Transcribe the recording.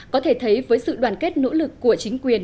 có thể thấy với sự đoàn kết nỗ lực của chính quyền